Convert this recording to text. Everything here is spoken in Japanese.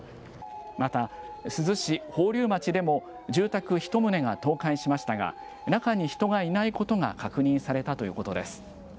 また珠洲市宝立町でも住宅１棟が倒壊しましたが、中に人がいないことが確認されたということです。